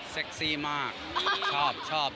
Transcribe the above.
ซี่มากชอบชอบ